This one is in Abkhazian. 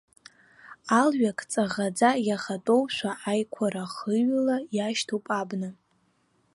Алҩақ ҵаӷаӡа иахатәоушәа, аиқәара ахыҩло ишьҭоуп абна.